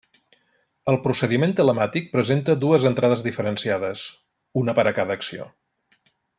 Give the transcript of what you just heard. El procediment telemàtic presenta dues entrades diferenciades, una per a cada acció.